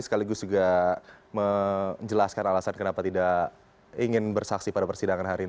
sekaligus juga menjelaskan alasan kenapa tidak ingin bersaksi pada persidangan hari ini